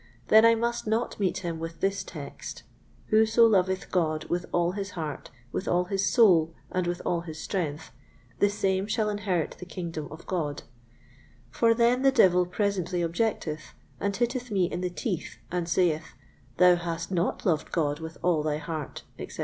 then I must not meet him with this text: "Whoso loveth God with all his heart, with all his soul, and with all his strength, the same shall inherit the kingdom of God;" for then the devil presently objecteth, and hitteth me in the teeth, and saith, "Thou hast not loved God with all thy heart," etc.